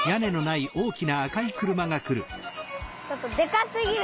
ちょっとでかすぎる。